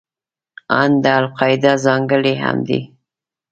ان دا د القاعده ځانګړنې هم دي.